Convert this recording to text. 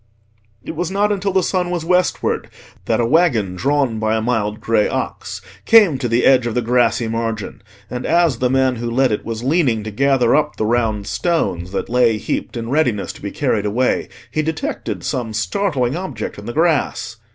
It was not until the sun was westward that a waggon drawn by a mild grey ox came to the edge of the grassy margin, and as the man who led it was leaning to gather up the round stones that lay heaped in readiness to be carried away, he detected some startling object in the grass.